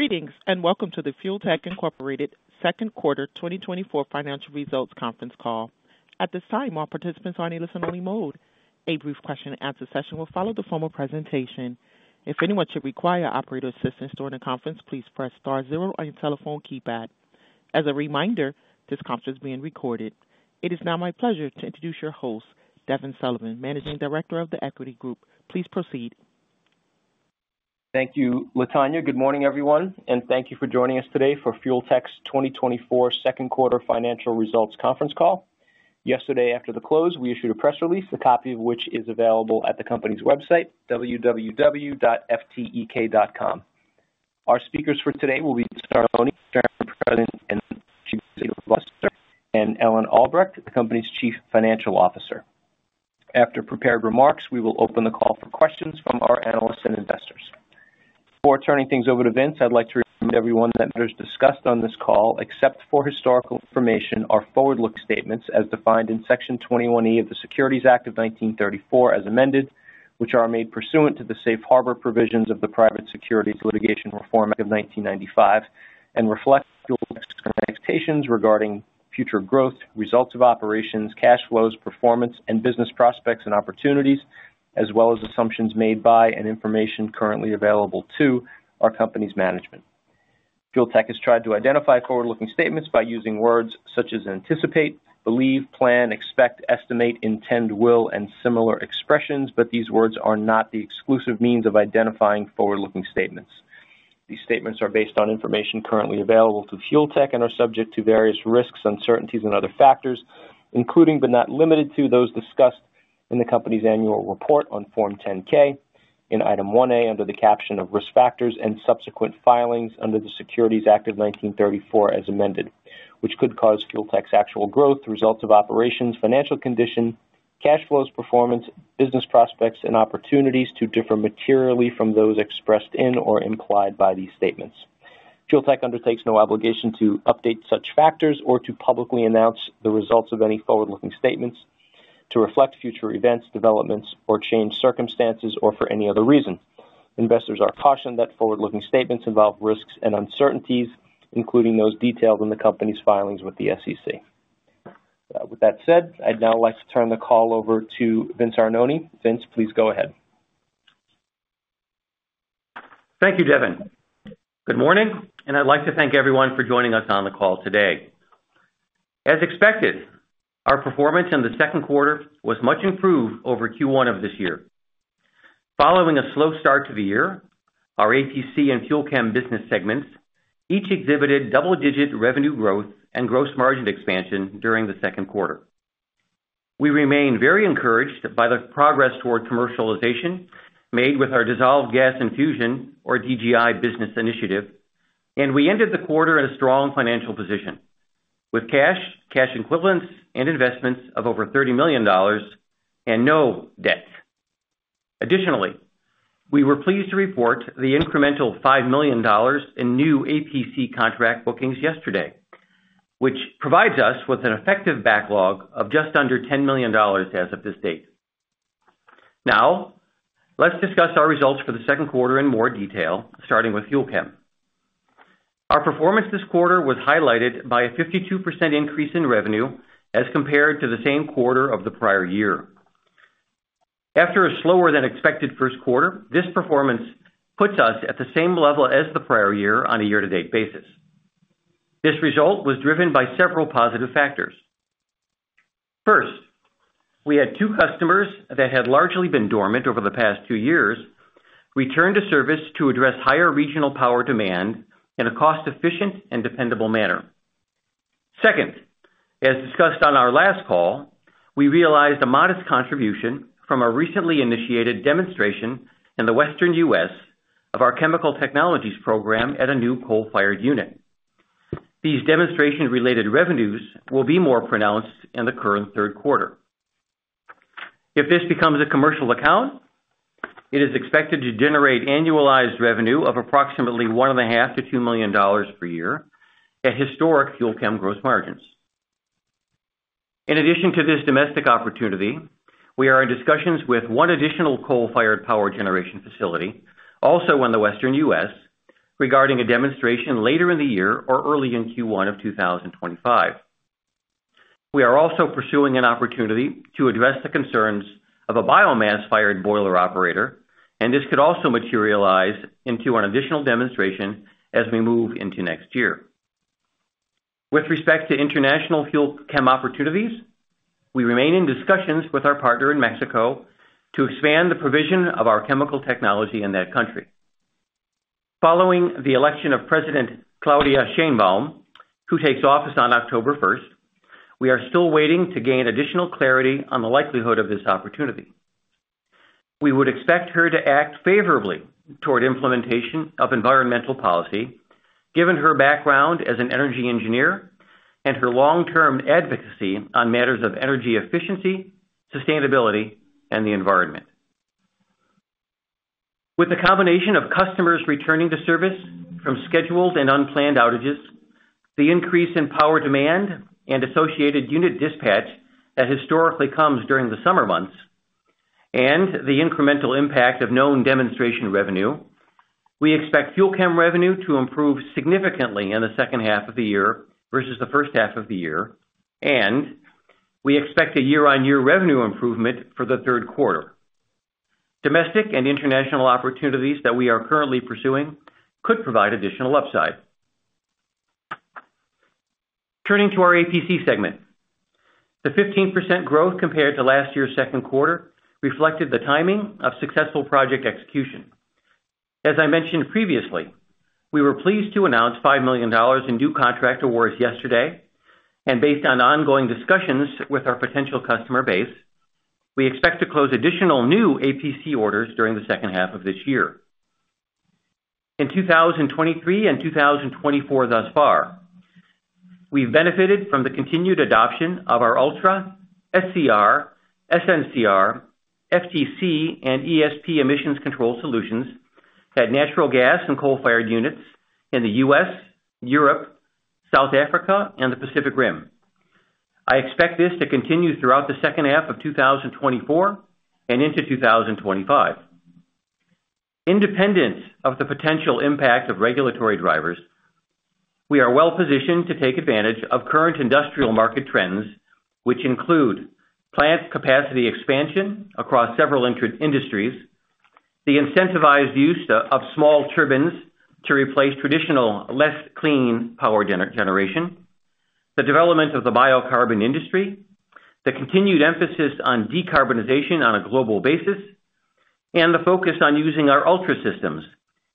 Greetings and welcome to the Fuel Tech Incorporated Second Quarter 2024 Financial Results Conference call. At this time, all participants are on a listen-only mode. A brief question-and-answer session will follow the formal presentation. If anyone should require operator assistance during the conference, please press star zero on your telephone keypad. As a reminder, this conference is being recorded. It is now my pleasure to introduce your host, Devin Sullivan, Managing Director of The Equity Group. Please proceed. Thank you, LaTonya. Good morning, everyone, and thank you for joining us today for Fuel Tech's 2024 Second Quarter Financial Results Conference call. Yesterday, after the close, we issued a press release, a copy of which is available at the company's website, www.ftek.com. Our speakers for today will be Vincent J. Arnone, Chairman, President, and Chief Executive Officer, and Ellen T. Albrecht, the company's Chief Financial Officer. After prepared remarks, we will open the call for questions from our analysts and investors. Before turning things over to Vince, I'd like to remind everyone that matters discussed on this call, except for historical information, are forward-looking statements as defined in Section 21E of the Securities Exchange Act of 1934, as amended, which are made pursuant to the safe harbor provisions of the Private Securities Litigation Reform Act of 1995, and reflect Fuel Tech's current expectations regarding future growth, results of operations, cash flows, performance, and business prospects and opportunities, as well as assumptions made by and information currently available to our company's management. Fuel Tech has tried to identify forward-looking statements by using words such as anticipate, believe, plan, expect, estimate, intend, will, and similar expressions, but these words are not the exclusive means of identifying forward-looking statements. These statements are based on information currently available to Fuel Tech and are subject to various risks, uncertainties, and other factors, including, but not limited to, those discussed in the company's annual report on Form 10-K in Item 1A under the caption of risk factors and subsequent filings under the Securities Act of 1934, as amended, which could cause Fuel Tech's actual growth, results of operations, financial condition, cash flows, performance, business prospects, and opportunities to differ materially from those expressed in or implied by these statements. Fuel Tech undertakes no obligation to update such factors or to publicly announce the results of any forward-looking statements to reflect future events, developments, or change circumstances, or for any other reason. Investors are cautioned that forward-looking statements involve risks and uncertainties, including those detailed in the company's filings with the SEC. With that said, I'd now like to turn the call over to Vince Arnone. Vince, please go ahead. Thank you, Devin. Good morning, and I'd like to thank everyone for joining us on the call today. As expected, our performance in the second quarter was much improved over Q1 of this year. Following a slow start to the year, our APC and fuel chem business segments each exhibited double-digit revenue growth and gross margin expansion during the second quarter. We remain very encouraged by the progress toward commercialization made with our Dissolved Gas Infusion, or DGI, business initiative, and we ended the quarter in a strong financial position with cash, cash equivalents, and investments of over $30 million and no debt. Additionally, we were pleased to report the incremental $5 million in new APC contract bookings yesterday, which provides us with an effective backlog of just under $10 million as of this date. Now, let's discuss our results for the second quarter in more detail, starting with FUEL CHEM. Our performance this quarter was highlighted by a 52% increase in revenue as compared to the same quarter of the prior year. After a slower-than-expected first quarter, this performance puts us at the same level as the prior year on a year-to-date basis. This result was driven by several positive factors. First, we had two customers that had largely been dormant over the past two years return to service to address higher regional power demand in a cost-efficient and dependable manner. Second, as discussed on our last call, we realized a modest contribution from a recently initiated demonstration in the Western U.S. of our chemical technologies program at a new coal-fired unit. These demonstration-related revenues will be more pronounced in the current third quarter. If this becomes a commercial account, it is expected to generate annualized revenue of approximately $1.5 million-$2 million per year at historic fuel chem gross margins. In addition to this domestic opportunity, we are in discussions with one additional coal-fired power generation facility, also in the western U.S., regarding a demonstration later in the year or early in Q1 of 2025. We are also pursuing an opportunity to address the concerns of a biomass-fired boiler operator, and this could also materialize into an additional demonstration as we move into next year. With respect to international fuel chem opportunities, we remain in discussions with our partner in Mexico to expand the provision of our chemical technology in that country. Following the election of President Claudia Sheinbaum, who takes office on October 1st, we are still waiting to gain additional clarity on the likelihood of this opportunity. We would expect her to act favorably toward implementation of environmental policy, given her background as an energy engineer and her long-term advocacy on matters of energy efficiency, sustainability, and the environment. With the combination of customers returning to service from scheduled and unplanned outages, the increase in power demand and associated unit dispatch that historically comes during the summer months, and the incremental impact of known demonstration revenue, we expect Fuel Chem revenue to improve significantly in the second half of the year versus the first half of the year, and we expect a year-on-year revenue improvement for the third quarter. Domestic and international opportunities that we are currently pursuing could provide additional upside. Turning to our APC segment, the 15% growth compared to last year's second quarter reflected the timing of successful project execution. As I mentioned previously, we were pleased to announce $5 million in new contract awards yesterday, and based on ongoing discussions with our potential customer base, we expect to close additional new APC orders during the second half of this year. In 2023 and 2024 thus far, we've benefited from the continued adoption of our ULTRA, SCR, SNCR, FGC, and ESP emissions control solutions at natural gas and coal-fired units in the U.S., Europe, South Africa, and the Pacific Rim. I expect this to continue throughout the second half of 2024 and into 2025. Independent of the potential impact of regulatory drivers, we are well positioned to take advantage of current industrial market trends, which include plant capacity expansion across several industries, the incentivized use of small turbines to replace traditional less clean power generation, the development of the biocarbon industry, the continued emphasis on decarbonization on a global basis, and the focus on using our ULTRA systems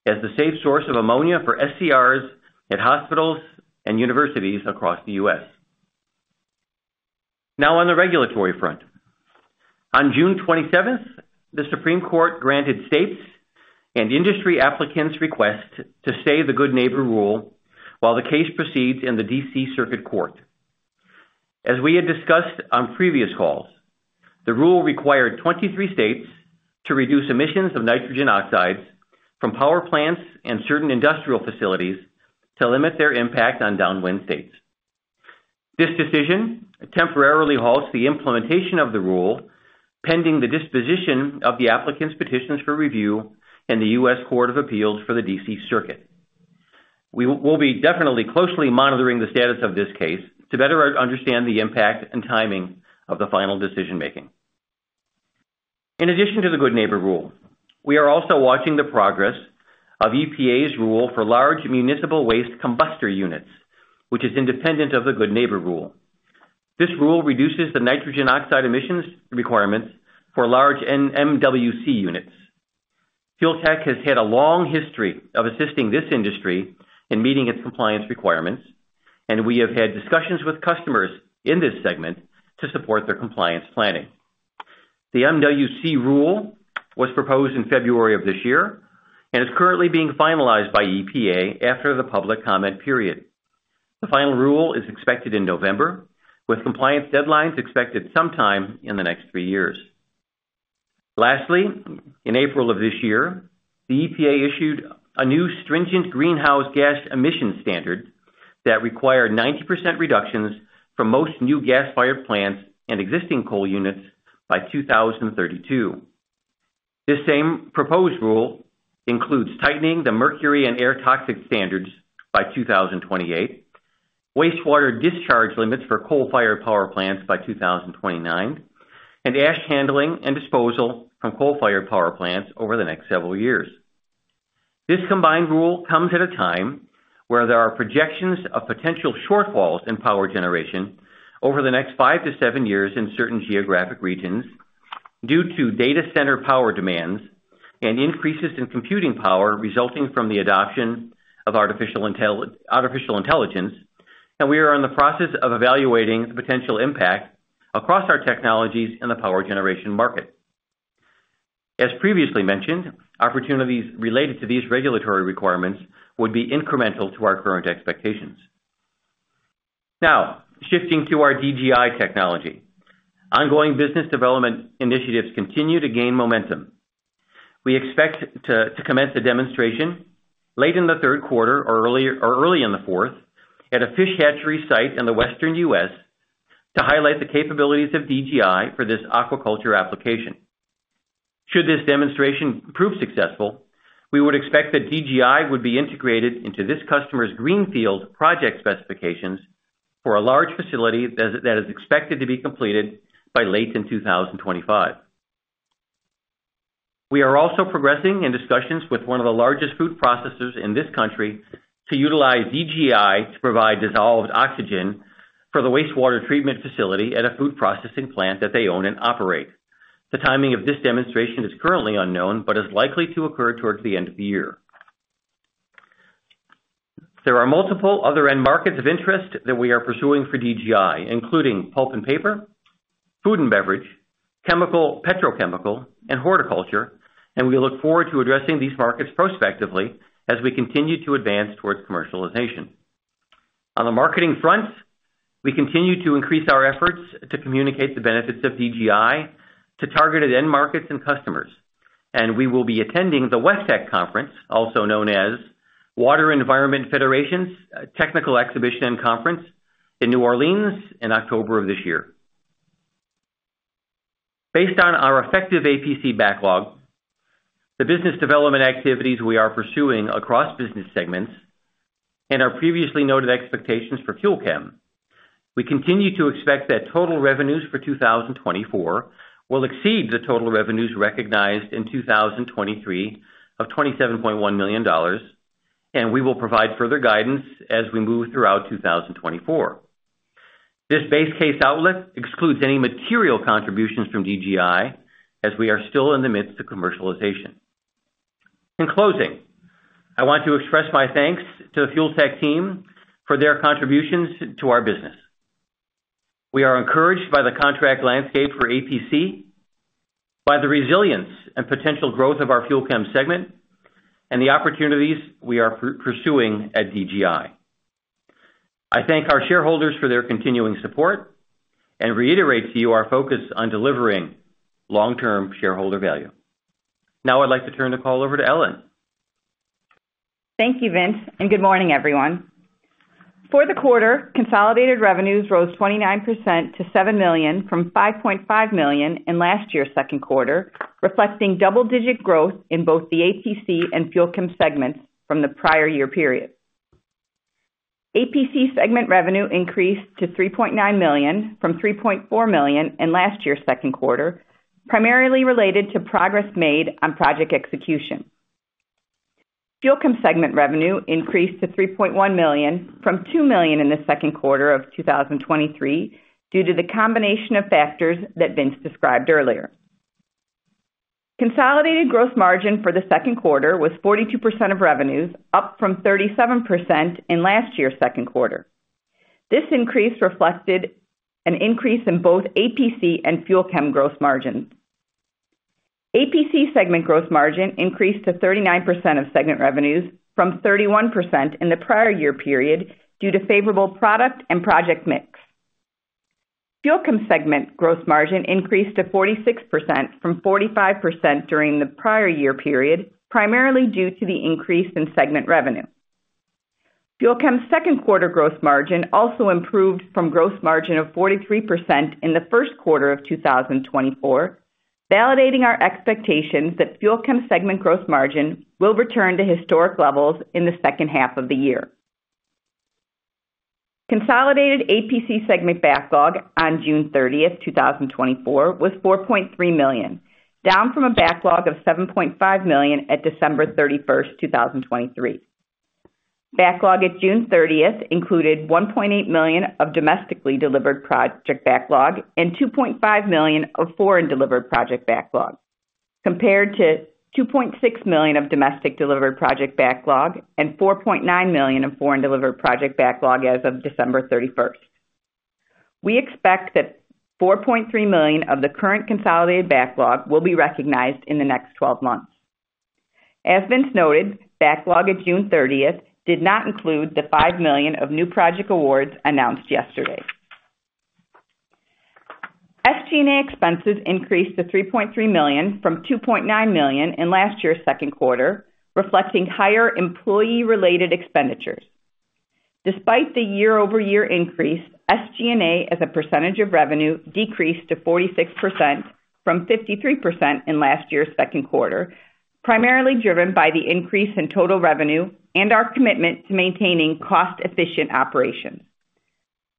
as the safe source of ammonia for SCRs at hospitals and universities across the U.S. Now, on the regulatory front, on June 27th, the Supreme Court granted states and industry applicants' request to stay the Good Neighbor Rule while the case proceeds in the D.C. Circuit Court. As we had discussed on previous calls, the rule required 23 states to reduce emissions of nitrogen oxides from power plants and certain industrial facilities to limit their impact on downwind states. This decision temporarily halts the implementation of the rule, pending the disposition of the applicants' petitions for review in the U.S. Court of Appeals for the D.C. Circuit. We will be definitely closely monitoring the status of this case to better understand the impact and timing of the final decision-making. In addition to the Good Neighbor Rule, we are also watching the progress of EPA's rule for large municipal waste combustor units, which is independent of the Good Neighbor Rule. This rule reduces the nitrogen oxide emissions requirements for large MWC units. Fuel Tech has had a long history of assisting this industry in meeting its compliance requirements, and we have had discussions with customers in this segment to support their compliance planning. The MWC rule was proposed in February of this year and is currently being finalized by EPA after the public comment period. The final rule is expected in November, with compliance deadlines expected sometime in the next three years. Lastly, in April of this year, the EPA issued a new stringent greenhouse gas emission standard that required 90% reductions for most new gas-fired plants and existing coal units by 2032. This same proposed rule includes tightening the Mercury and Air Toxics Standards by 2028, wastewater discharge limits for coal-fired power plants by 2029, and ash handling and disposal from coal-fired power plants over the next several years. This combined rule comes at a time where there are projections of potential shortfalls in power generation over the next five to seven years in certain geographic regions due to data center power demands and increases in computing power resulting from the adoption of artificial intelligence, and we are in the process of evaluating the potential impact across our technologies in the power generation market. As previously mentioned, opportunities related to these regulatory requirements would be incremental to our current expectations. Now, shifting to our DGI technology, ongoing business development initiatives continue to gain momentum. We expect to commence a demonstration late in the third quarter or early in the fourth at a fish hatchery site in the western U.S. to highlight the capabilities of DGI for this aquaculture application. Should this demonstration prove successful, we would expect that DGI would be integrated into this customer's greenfield project specifications for a large facility that is expected to be completed by late in 2025. We are also progressing in discussions with one of the largest food processors in this country to utilize DGI to provide dissolved oxygen for the wastewater treatment facility at a food processing plant that they own and operate. The timing of this demonstration is currently unknown but is likely to occur toward the end of the year. There are multiple other end markets of interest that we are pursuing for DGI, including pulp and paper, food and beverage, chemical, petrochemical, and horticulture, and we look forward to addressing these markets prospectively as we continue to advance toward commercialization. On the marketing front, we continue to increase our efforts to communicate the benefits of DGI to targeted end markets and customers, and we will be attending the WEFTEC Conference, also known as Water Environment Federation's Technical Exhibition and Conference, in New Orleans in October of this year. Based on our effective APC backlog, the business development activities we are pursuing across business segments, and our previously noted expectations for FUEL CHEM, we continue to expect that total revenues for 2024 will exceed the total revenues recognized in 2023 of $27.1 million, and we will provide further guidance as we move throughout 2024. This base case outlook excludes any material contributions from DGI as we are still in the midst of commercialization. In closing, I want to express my thanks to the Fuel Tech team for their contributions to our business. We are encouraged by the contract landscape for APC, by the resilience and potential growth of our FUEL CHEM segment, and the opportunities we are pursuing at DGI. I thank our shareholders for their continuing support and reiterate to you our focus on delivering long-term shareholder value. Now, I'd like to turn the call over to Ellen. Thank you, Vince, and good morning, everyone. For the quarter, consolidated revenues rose 29% to $7 million from $5.5 million in last year's second quarter, reflecting double-digit growth in both the APC and Fuel Chem segments from the prior year period. APC segment revenue increased to $3.9 million from $3.4 million in last year's second quarter, primarily related to progress made on project execution. Fuel Chem segment revenue increased to $3.1 million from $2 million in the second quarter of 2023 due to the combination of factors that Vince described earlier. Consolidated gross margin for the second quarter was 42% of revenues, up from 37% in last year's second quarter. This increase reflected an increase in both APC and Fuel Chem gross margins. APC segment gross margin increased to 39% of segment revenues from 31% in the prior year period due to favorable product and project mix. FUEL CHEM segment gross margin increased to 46% from 45% during the prior year period, primarily due to the increase in segment revenue. FUEL CHEM second quarter gross margin also improved from gross margin of 43% in the first quarter of 2024, validating our expectations that FUEL CHEM segment gross margin will return to historic levels in the second half of the year. Consolidated APC segment backlog on June 30th, 2024, was $4.3 million, down from a backlog of $7.5 million at December 31st, 2023. Backlog at June 30th included $1.8 million of domestically delivered project backlog and $2.5 million of foreign delivered project backlog, compared to $2.6 million of domestic delivered project backlog and $4.9 million of foreign delivered project backlog as of December 31st. We expect that $4.3 million of the current consolidated backlog will be recognized in the next 12 months. As Vince noted, backlog at June 30th did not include the $5 million of new project awards announced yesterday. SG&A expenses increased to $3.3 million from $2.9 million in last year's second quarter, reflecting higher employee-related expenditures. Despite the year-over-year increase, SG&A as a percentage of revenue decreased to 46% from 53% in last year's second quarter, primarily driven by the increase in total revenue and our commitment to maintaining cost-efficient operations.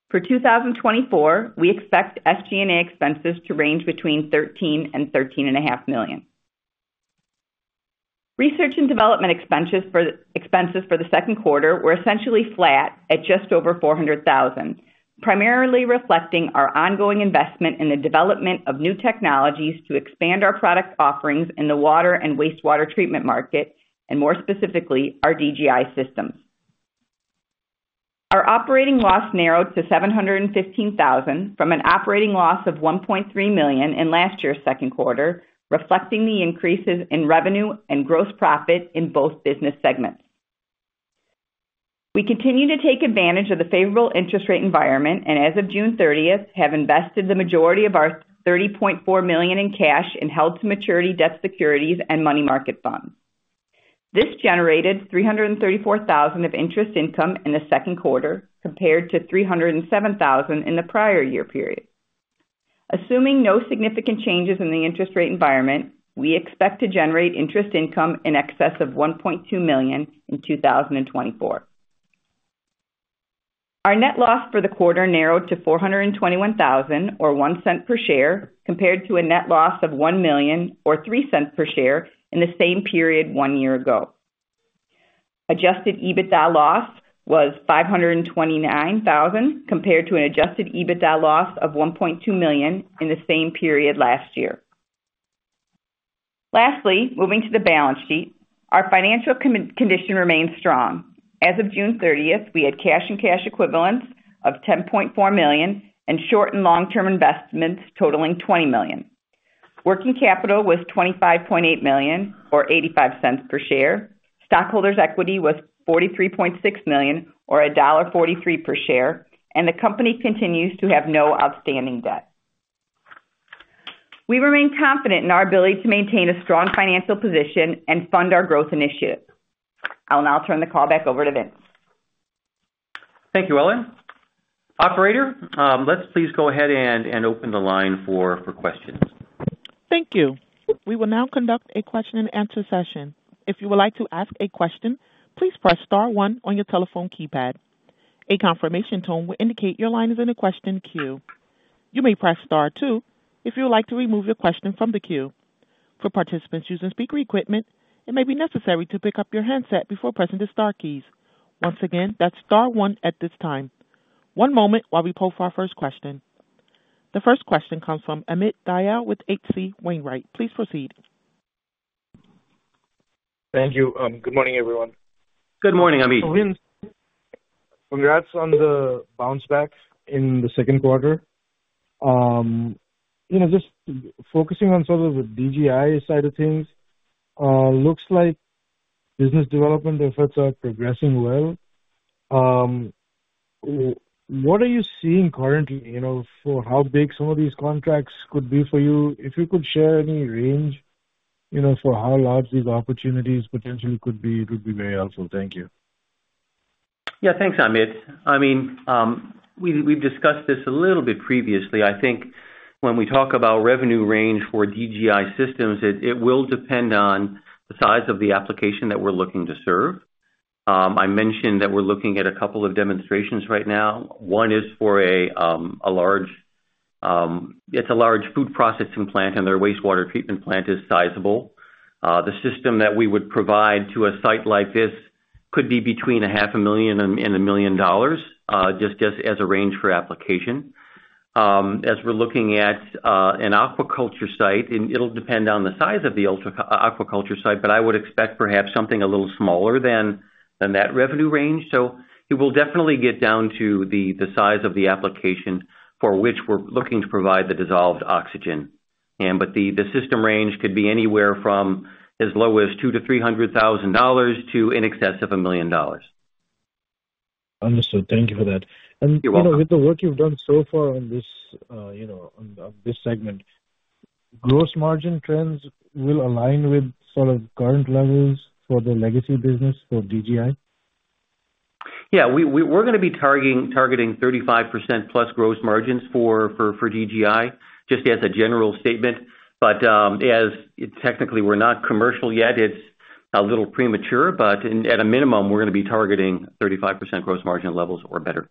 For 2024, we expect SG&A expenses to range between $13 and $13.5 million. Research and development expenses for the second quarter were essentially flat at just over $400,000, primarily reflecting our ongoing investment in the development of new technologies to expand our product offerings in the water and wastewater treatment market, and more specifically, our DGI systems. Our operating loss narrowed to $715,000 from an operating loss of $1.3 million in last year's second quarter, reflecting the increases in revenue and gross profit in both business segments. We continue to take advantage of the favorable interest rate environment and, as of June 30th, have invested the majority of our $30.4 million in cash in held-to-maturity debt securities and money market funds. This generated $334,000 of interest income in the second quarter, compared to $307,000 in the prior year period. Assuming no significant changes in the interest rate environment, we expect to generate interest income in excess of $1.2 million in 2024. Our net loss for the quarter narrowed to $421,000, or $0.01 per share, compared to a net loss of $1 million, or $0.03 per share, in the same period one year ago. Adjusted EBITDA loss was $529,000, compared to an adjusted EBITDA loss of $1.2 million in the same period last year. Lastly, moving to the balance sheet, our financial condition remains strong. As of June 30th, we had cash and cash equivalents of $10.4 million and short and long-term investments totaling $20 million. Working capital was $25.8 million, or $0.85 per share. Stockholders' equity was $43.6 million, or $1.43 per share, and the company continues to have no outstanding debt. We remain confident in our ability to maintain a strong financial position and fund our growth initiative. I'll now turn the call back over to Vince. Thank you, Ellen. Operator, let's please go ahead and open the line for questions. Thank you. We will now conduct a question-and-answer session. If you would like to ask a question, please press star one on your telephone keypad. A confirmation tone will indicate your line is in a question queue. You may press star two if you would like to remove your question from the queue. For participants using speaker equipment, it may be necessary to pick up your handset before pressing the star keys. Once again, that's star one at this time. One moment while we pull for our first question. The first question comes from Amit Dayal with H.C. Wainwright. Please proceed. Thank you. Good morning, everyone. Good morning, Amit. Vince. Congrats on the bounce back in the second quarter. Just focusing on sort of the DGI side of things, looks like business development efforts are progressing well. What are you seeing currently for how big some of these contracts could be for you? If you could share any range for how large these opportunities potentially could be, it would be very helpful. Thank you. Yeah, thanks, Amit. I mean, we've discussed this a little bit previously. I think when we talk about revenue range for DGI systems, it will depend on the size of the application that we're looking to serve. I mentioned that we're looking at a couple of demonstrations right now. One is for a large, it's a large food processing plant, and their wastewater treatment plant is sizable. The system that we would provide to a site like this could be between $500,000-$1 million just as a range for application. As we're looking at an aquaculture site, it'll depend on the size of the aquaculture site, but I would expect perhaps something a little smaller than that revenue range. So it will definitely get down to the size of the application for which we're looking to provide the dissolved oxygen. But the system range could be anywhere from as low as $200,000-$300,000 to in excess of $1 million. Understood. Thank you for that. And with the work you've done so far on this segment, gross margin trends will align with sort of current levels for the legacy business for DGI? Yeah. We're going to be targeting 35%+ gross margins for DGI just as a general statement. But technically, we're not commercial yet. It's a little premature. But at a minimum, we're going to be targeting 35% gross margin levels or better.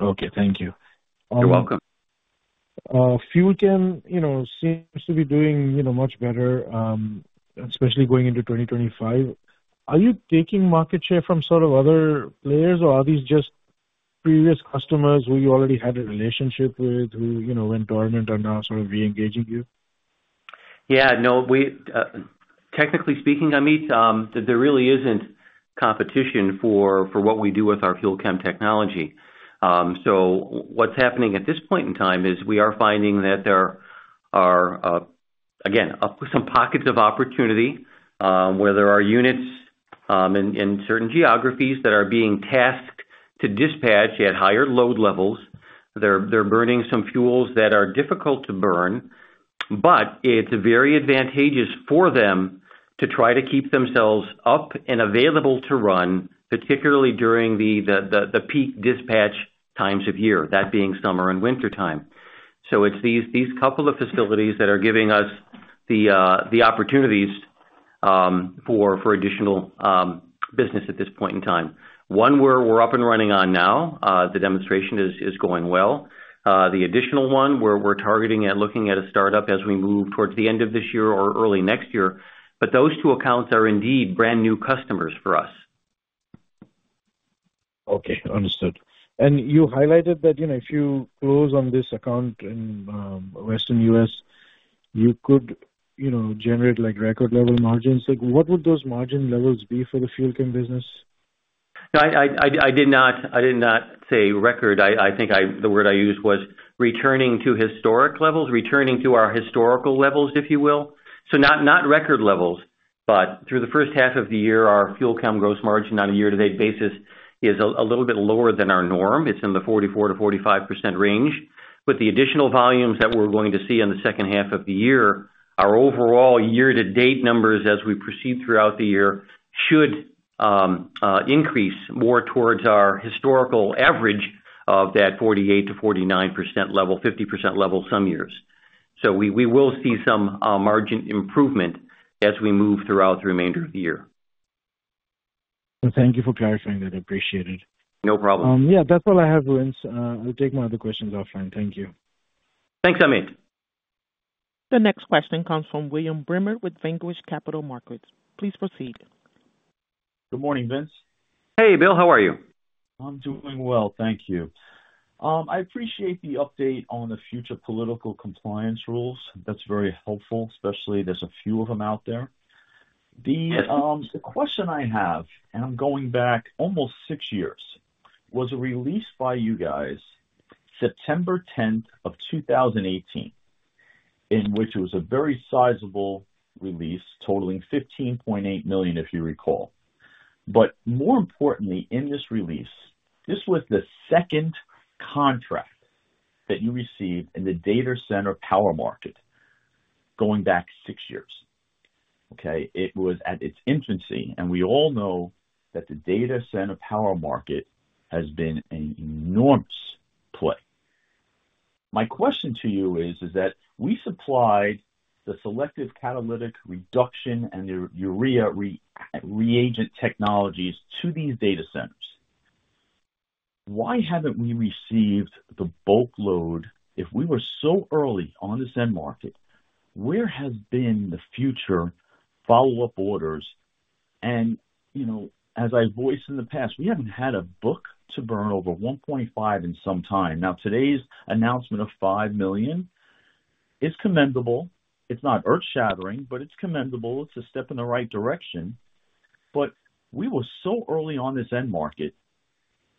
Okay. Thank you. You're welcome. FUEL CHEM seems to be doing much better, especially going into 2025. Are you taking market share from sort of other players, or are these just previous customers who you already had a relationship with, who went dormant and are now sort of re-engaging you? Yeah. No. Technically speaking, Amit, there really isn't competition for what we do with our fuel chem technology. So what's happening at this point in time is we are finding that there are, again, some pockets of opportunity where there are units in certain geographies that are being tasked to dispatch at higher load levels. They're burning some fuels that are difficult to burn, but it's very advantageous for them to try to keep themselves up and available to run, particularly during the peak dispatch times of year, that being summer and wintertime. So it's these couple of facilities that are giving us the opportunities for additional business at this point in time. One we're up and running on now. The demonstration is going well. The additional one where we're targeting and looking at a startup as we move towards the end of this year or early next year. But those two accounts are indeed brand new customers for us. Okay. Understood. And you highlighted that if you close on this account in Western U.S., you could generate record-level margins. What would those margin levels be for the Fuel Chem business? I did not say record. I think the word I used was returning to historic levels, returning to our historical levels, if you will. So not record levels, but through the first half of the year, our Fuel Chem gross margin on a year-to-date basis is a little bit lower than our norm. It's in the 44%-45% range. With the additional volumes that we're going to see in the second half of the year, our overall year-to-date numbers as we proceed throughout the year should increase more towards our historical average of that 48%-49% level, 50% level some years. So we will see some margin improvement as we move throughout the remainder of the year. Thank you for clarifying that. I appreciate it. No problem. Yeah. That's all I have, Vince. I'll take my other questions offline. Thank you. Thanks, Amit. The next question comes from William Bremer with Vanquish Capital Markets. Please proceed. Good morning, Vince. Hey, Bill. How are you? I'm doing well. Thank you. I appreciate the update on the future political compliance rules. That's very helpful, especially there's a few of them out there. The question I have, and I'm going back almost six years, was a release by you guys September 10th of 2018, in which it was a very sizable release totaling $15.8 million, if you recall. But more importantly, in this release, this was the second contract that you received in the data center power market going back six years. Okay? It was at its infancy, and we all know that the data center power market has been an enormous play. My question to you is that we supplied the selective catalytic reduction and urea reagent technologies to these data centers. Why haven't we received the bulk load? If we were so early on this end market, where has been the future follow-up orders? And as I've voiced in the past, we haven't had a book to burn over $1.5 and some time. Now, today's announcement of $5 million is commendable. It's not earth-shattering, but it's commendable. It's a step in the right direction. But we were so early on this end market,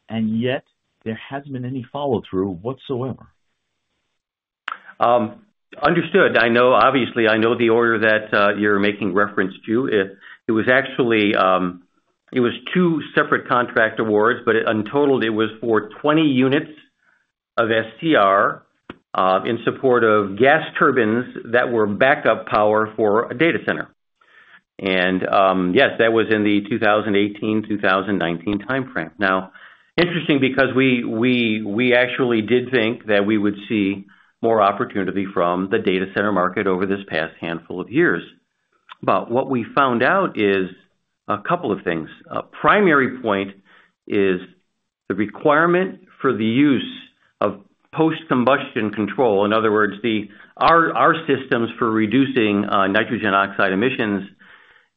and yet there hasn't been any follow-through whatsoever. Understood. Obviously, I know the order that you're making reference to. It was actually two separate contract awards, but in total, it was for 20 units of SCR in support of gas turbines that were backup power for a data center. Yes, that was in the 2018-2019 timeframe. Now, interesting because we actually did think that we would see more opportunity from the data center market over this past handful of years. But what we found out is a couple of things. A primary point is the requirement for the use of post-combustion control. In other words, our systems for reducing nitrogen oxide emissions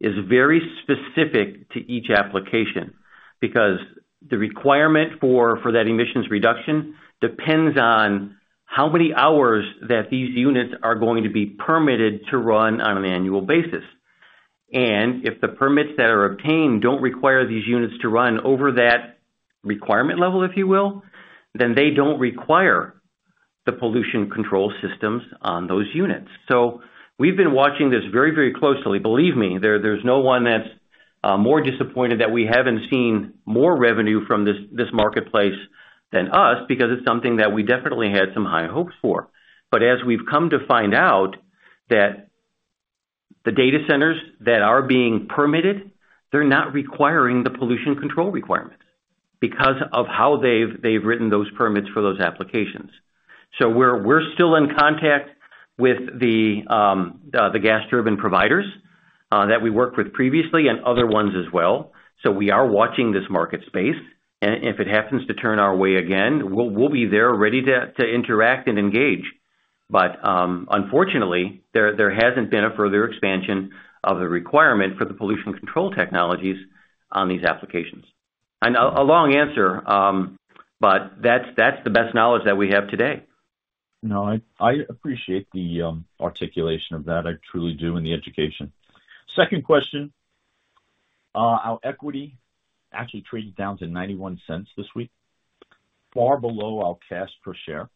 is very specific to each application because the requirement for that emissions reduction depends on how many hours that these units are going to be permitted to run on an annual basis. And if the permits that are obtained don't require these units to run over that requirement level, if you will, then they don't require the pollution control systems on those units. So we've been watching this very, very closely. Believe me, there's no one that's more disappointed that we haven't seen more revenue from this marketplace than us because it's something that we definitely had some high hopes for. But as we've come to find out that the data centers that are being permitted, they're not requiring the pollution control requirements because of how they've written those permits for those applications. So we're still in contact with the gas turbine providers that we worked with previously and other ones as well. So we are watching this market space. And if it happens to turn our way again, we'll be there ready to interact and engage. But unfortunately, there hasn't been a further expansion of the requirement for the pollution control technologies on these applications. And a long answer, but that's the best knowledge that we have today. No, I appreciate the articulation of that. I truly do in the education. Second question. Our equity actually traded down to $0.91 this week, far below our cash per share.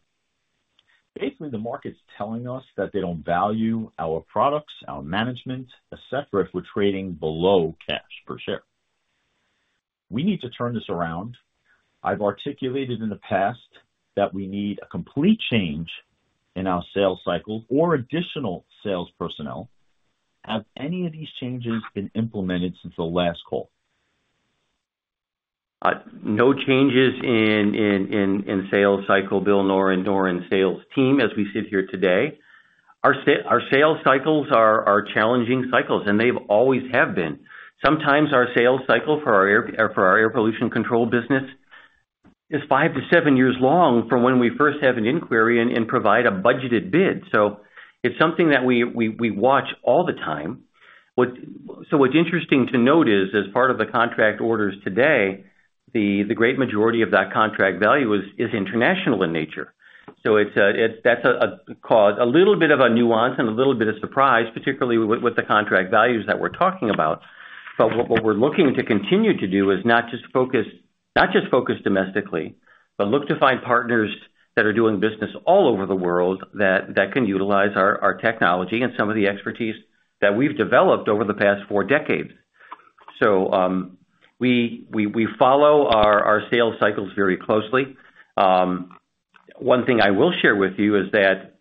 Basically, the market's telling us that they don't value our products, our management, etc., if we're trading below cash per share. We need to turn this around. I've articulated in the past that we need a complete change in our sales cycle or additional sales personnel. Have any of these changes been implemented since the last call? No changes in sales cycle, Bill, nor in sales team as we sit here today. Our sales cycles are challenging cycles, and they always have been. Sometimes our sales cycle for our air pollution control business is five to seven years long from when we first have an inquiry and provide a budgeted bid. So it's something that we watch all the time. So what's interesting to note is, as part of the contract orders today, the great majority of that contract value is international in nature. So that's a little bit of a nuance and a little bit of surprise, particularly with the contract values that we're talking about. But what we're looking to continue to do is not just focus domestically, but look to find partners that are doing business all over the world that can utilize our technology and some of the expertise that we've developed over the past four decades. So we follow our sales cycles very closely. One thing I will share with you is that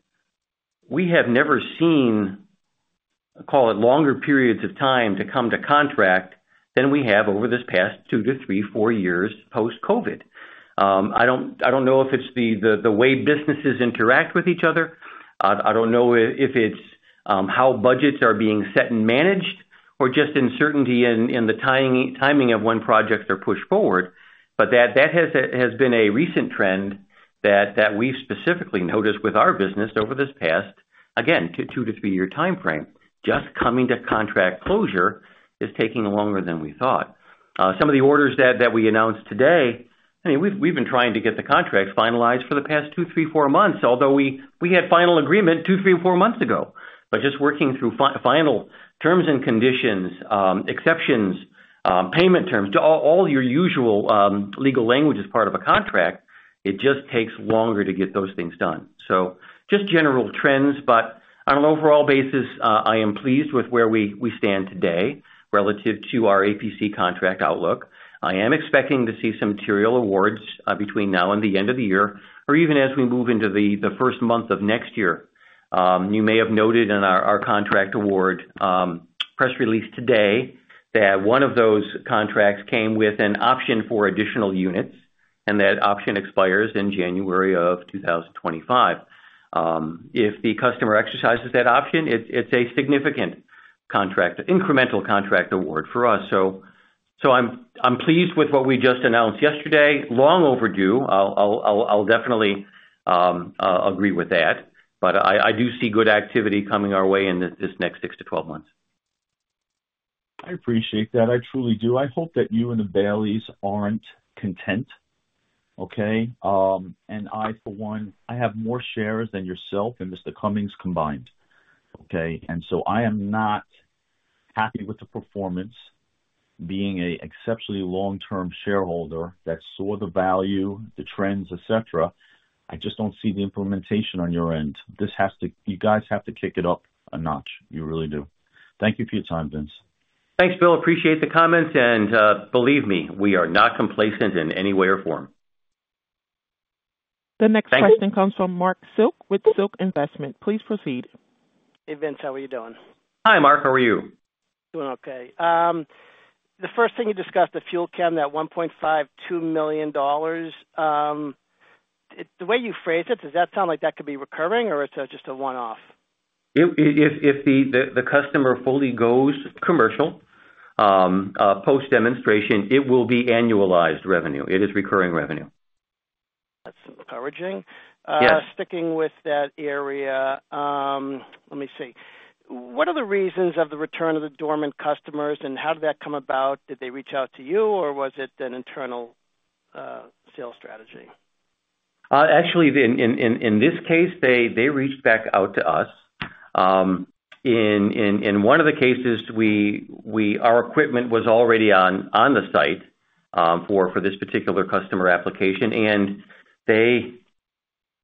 we have never seen, call it, longer periods of time to come to contract than we have over this past two to three or four year post-COVID. I don't know if it's the way businesses interact with each other. I don't know if it's how budgets are being set and managed or just uncertainty in the timing of when projects are pushed forward. But that has been a recent trend that we've specifically noticed with our business over this past, again, two to three year timeframe. Just coming to contract closure is taking longer than we thought. Some of the orders that we announced today, I mean, we've been trying to get the contracts finalized for the past two, three, or four months, although we had final agreement two, three, or four months ago. But just working through final terms and conditions, exceptions, payment terms, all your usual legal language as part of a contract, it just takes longer to get those things done. So just general trends. But on an overall basis, I am pleased with where we stand today relative to our APC contract outlook. I am expecting to see some material awards between now and the end of the year or even as we move into the first month of next year. You may have noted in our contract award press release today that one of those contracts came with an option for additional units, and that option expires in January of 2025. If the customer exercises that option, it's a significant incremental contract award for us. So I'm pleased with what we just announced yesterday, long overdue. I'll definitely agree with that. But I do see good activity coming our way in this next 6 to 12 months. I appreciate that. I truly do. I hope that you and the Baileys aren't content. Okay? And I, for one, I have more shares than yourself and Mr. Cummings combined. Okay? And so I am not happy with the performance being an exceptionally long-term shareholder that saw the value, the trends, etc. I just don't see the implementation on your end. You guys have to kick it up a notch. You really do. Thank you for your time, Vince. Thanks, Bill. Appreciate the comments. And believe me, we are not complacent in any way or form. The next question comes from Marc Silk with Silk Investment. Please proceed. Hey, Vince. How are you doing? Hi, Marc. How are you? Doing okay. The first thing you discussed, the Fuel Chem that $1.5 million-$2 million. The way you phrase it, does that sound like that could be recurring, or it's just a one-off? If the customer fully goes commercial post-demonstration, it will be annualized revenue. It is recurring revenue. That's encouraging. Sticking with that area, let me see. What are the reasons of the return of the dormant customers, and how did that come about? Did they reach out to you, or was it an internal sales strategy? Actually, in this case, they reached back out to us. In one of the cases, our equipment was already on the site for this particular customer application.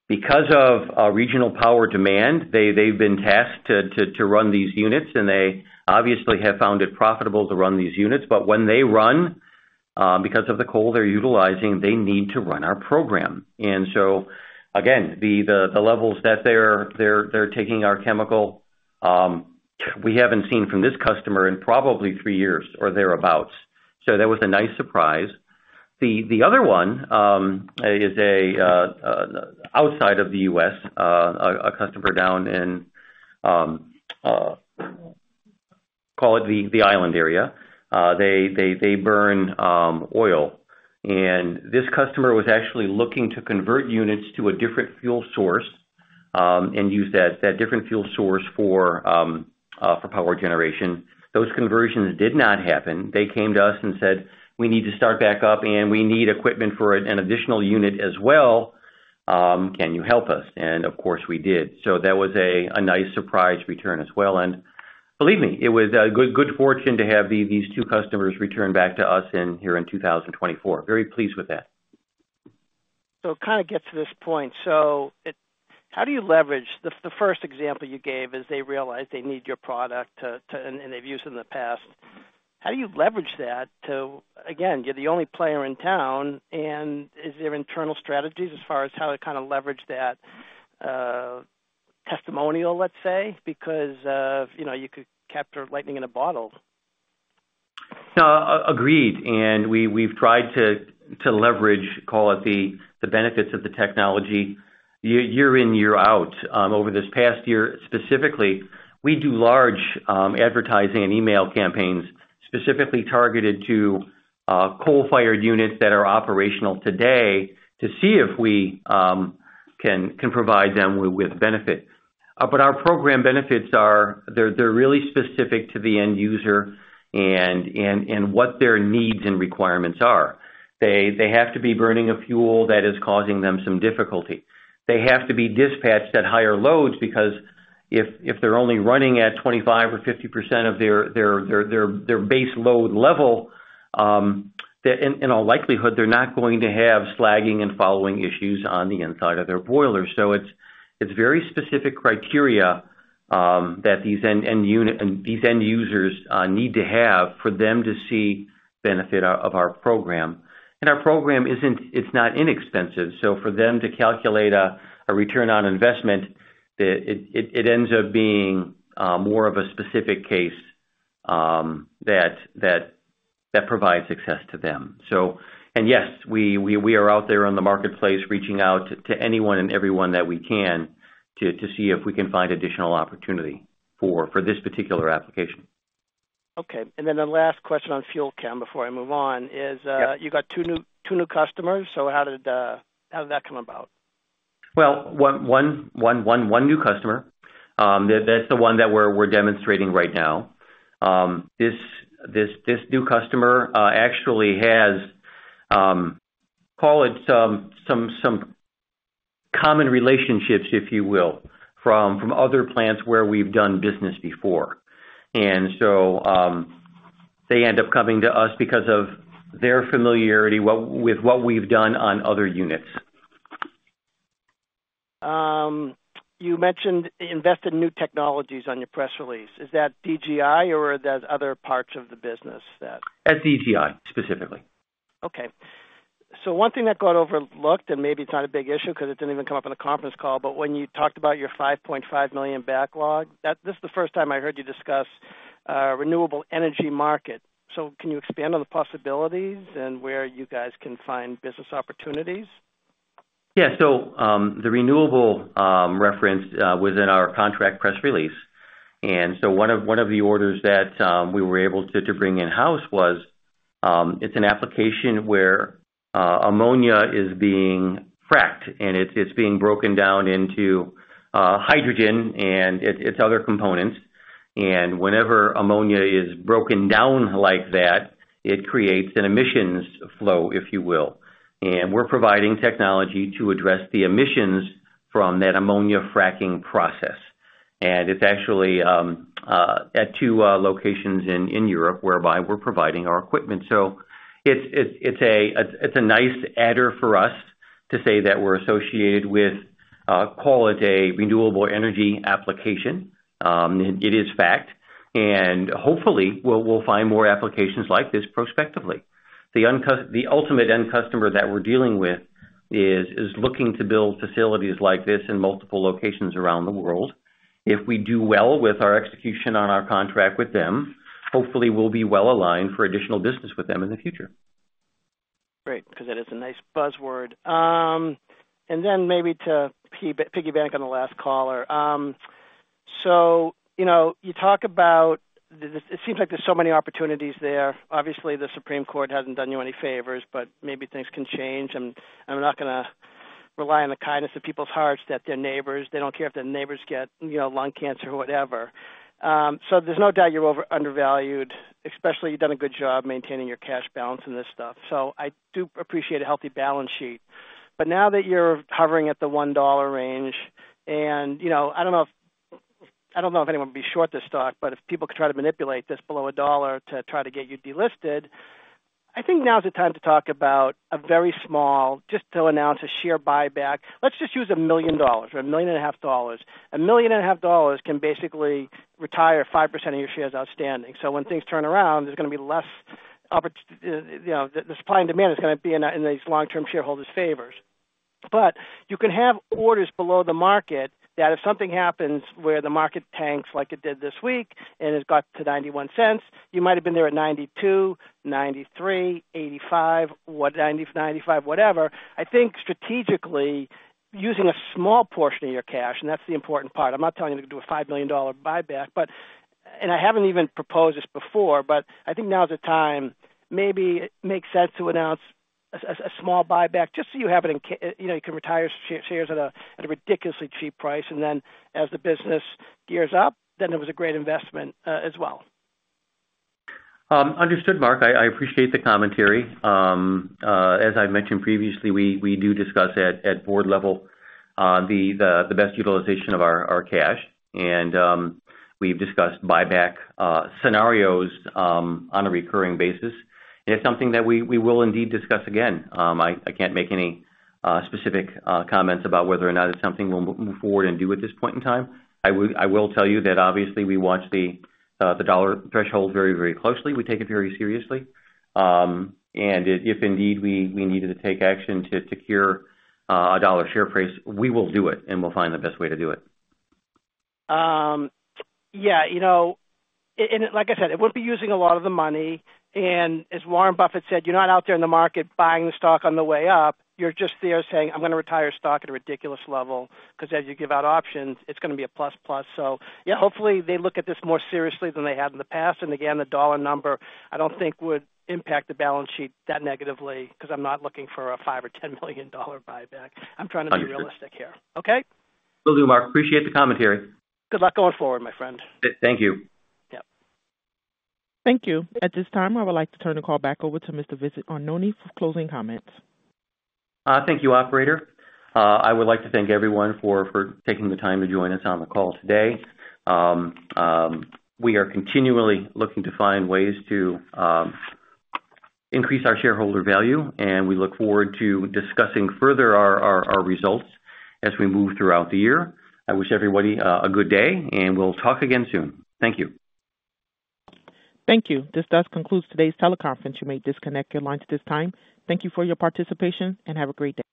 Because of regional power demand, they've been tasked to run these units, and they obviously have found it profitable to run these units. When they run, because of the coal they're utilizing, they need to run our program. And so, again, the levels that they're taking our chemical, we haven't seen from this customer in probably three years or thereabouts. So that was a nice surprise. The other one is outside of the U.S., a customer down in, call it, the island area. They burn oil. And this customer was actually looking to convert units to a different fuel source and use that different fuel source for power generation. Those conversions did not happen. They came to us and said, "We need to start back up, and we need equipment for an additional unit as well. Can you help us?" And of course, we did. So that was a nice surprise return as well. And believe me, it was a good fortune to have these two customers return back to us here in 2024. Very pleased with that. So it kind of gets to this point. So how do you leverage the first example you gave is they realize they need your product, and they've used it in the past. How do you leverage that to, again, you're the only player in town, and is there internal strategies as far as how to kind of leverage that testimonial, let's say, because you could capture lightning in a bottle? Agreed. And we've tried to leverage, call it, the benefits of the technology year in, year out. Over this past year specifically, we do large advertising and email campaigns specifically targeted to coal-fired units that are operational today to see if we can provide them with benefit. But our program benefits, they're really specific to the end user and what their needs and requirements are. They have to be burning a fuel that is causing them some difficulty. They have to be dispatched at higher loads because if they're only running at 25% or 50% of their base load level, in all likelihood, they're not going to have slagging and following issues on the inside of their boilers. So it's very specific criteria that these end users need to have for them to see benefit of our program. And our program, it's not inexpensive. So for them to calculate a return on investment, it ends up being more of a specific case that provides success to them. And yes, we are out there in the marketplace reaching out to anyone and everyone that we can to see if we can find additional opportunity for this particular application. Okay. And then the last question on fuel chem before I move on is you got two new customers. So how did that come about? Well, one new customer. That's the one that we're demonstrating right now. This new customer actually has, call it, some common relationships, if you will, from other plants where we've done business before. And so they end up coming to us because of their familiarity with what we've done on other units. You mentioned invested in new technologies on your press release. Is that DGI, or are those other parts of the business that? That's DGI specifically. Okay. So one thing that got overlooked, and maybe it's not a big issue because it didn't even come up on the conference call, but when you talked about your $5.5 million backlog, this is the first time I heard you discuss renewable energy market. So can you expand on the possibilities and where you guys can find business opportunities? Yeah. So the renewable reference was in our contract press release. One of the orders that we were able to bring in-house was it's an application where ammonia is being cracked, and it's being broken down into hydrogen and its other components. Whenever ammonia is broken down like that, it creates an emissions flow, if you will. And we're providing technology to address the emissions from that ammonia cracking process. And it's actually at two locations in Europe whereby we're providing our equipment. So it's a nice adder for us to say that we're associated with, call it, a renewable energy application. It is fact. And hopefully, we'll find more applications like this prospectively. The ultimate end customer that we're dealing with is looking to build facilities like this in multiple locations around the world. If we do well with our execution on our contract with them, hopefully, we'll be well aligned for additional business with them in the future. Great. Because that is a nice buzzword. And then maybe to piggyback on the last caller. So you talk about it, it seems like there's so many opportunities there. Obviously, the Supreme Court hasn't done you any favors, but maybe things can change. And I'm not going to rely on the kindness of people's hearts that they're neighbors. They don't care if their neighbors get lung cancer or whatever. So there's no doubt you're undervalued, especially you've done a good job maintaining your cash balance and this stuff. So I do appreciate a healthy balance sheet. But now that you're hovering at the $1 range, and I don't know if anyone would be short this stock, but if people could try to manipulate this below a dollar to try to get you delisted, I think now's the time to talk about a very small, just to announce a share buyback. Let's just use $1 million or $1.5 million. $1.5 million can basically retire 5% of your shares outstanding. So when things turn around, there's going to be less opportunity. The supply and demand is going to be in these long-term shareholders' favors. But you can have orders below the market that if something happens where the market tanks like it did this week and it's got to $0.91, you might have been there at $0.92, $0.93, $0.85, whatever, $0.95, whatever. I think strategically, using a small portion of your cash, and that's the important part. I'm not telling you to do a $5 million buyback. I haven't even proposed this before, but I think now's the time. Maybe it makes sense to announce a small buyback just so you have it in you can retire shares at a ridiculously cheap price. Then as the business gears up, then it was a great investment as well. Understood, Marc. I appreciate the commentary. As I mentioned previously, we do discuss at board level the best utilization of our cash. We've discussed buyback scenarios on a recurring basis. It's something that we will indeed discuss again. I can't make any specific comments about whether or not it's something we'll move forward and do at this point in time. I will tell you that obviously we watch the dollar threshold very, very closely. We take it very seriously. And if indeed we needed to take action to secure a dollar share price, we will do it, and we'll find the best way to do it. Yeah. And like I said, it would be using a lot of the money. And as Warren Buffett said, you're not out there in the market buying the stock on the way up. You're just there saying, "I'm going to retire stock at a ridiculous level." Because as you give out options, it's going to be a plus plus. So yeah, hopefully, they look at this more seriously than they had in the past. And again, the dollar number, I don't think would impact the balance sheet that negatively because I'm not looking for a $5 million or $10 million buyback. I'm trying to be realistic here. Okay? Will do, Marc. Appreciate the commentary. Good luck going forward, my friend. Thank you. Yep. Thank you. At this time, I would like to turn the call back over to Mr. Vincent Arnone for closing comments. Thank you, operator. I would like to thank everyone for taking the time to join us on the call today. We are continually looking to find ways to increase our shareholder value, and we look forward to discussing further our results as we move throughout the year. I wish everybody a good day, and we'll talk again soon. Thank you. Thank you. This does conclude today's teleconference. You may disconnect your lines at this time. Thank you for your participation, and have a great day.